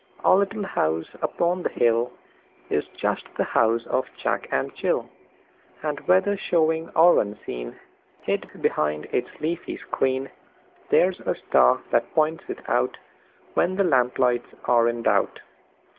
Our little house upon the hillIs just the house of Jack and Jill, And whether showing or unseen, Hid behind its leafy screen; There's a star that points it outWhen the lamp lights are in doubt.